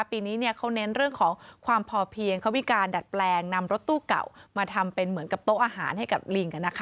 ปีนี้เขาเน้นเรื่องของความพอเพียงเขามีการดัดแปลงนำรถตู้เก่ามาทำเป็นเหมือนกับโต๊ะอาหารให้กับลิง